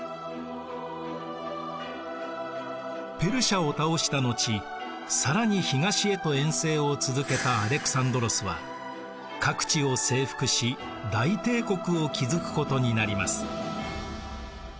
ペルシアを倒した後更に東へと遠征を続けたアレクサンドロスは各地を征服し大帝国を築くことになります。